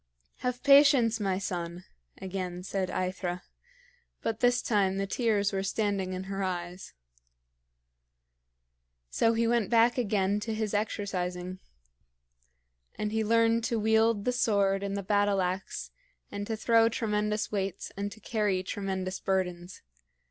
"Have patience, my son," again said AEthra; but this time the tears were standing in her eyes. So he went back again to his exercising; and he learned to wield the sword and the battle ax and to throw tremendous weights and to carry tremendous burdens.